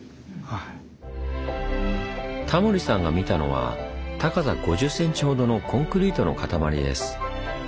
タモリさんが見たのは高さ５０ｃｍほどのコンクリートの塊です。